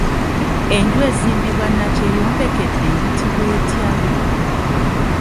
Enju ezimbibwa Nakyeyombekedde eyitibwa etya?